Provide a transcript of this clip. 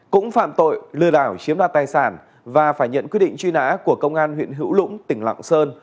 cũng phạm tội lừa đảo chiếm đoạt tài sản và phải nhận quyết định truy nã của công an huyện hữu lũng tỉnh lạng sơn